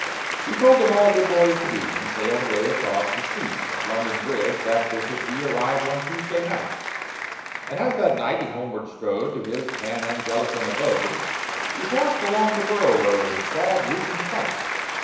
He told them all good boys to be, And sailed away across the sea, At London Bridge that Bishop he Arrived one Tuesday night; And as that night he homeward strode To his Pan Anglican abode, He passed along the Borough Road, And saw a gruesome sight.